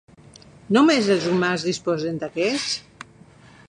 Només els humans disposen d'aquests?